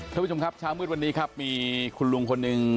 ท่านผู้ชมครับเช้ามืดวันนี้ครับมีคุณลุงคนหนึ่ง